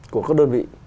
của các đơn vị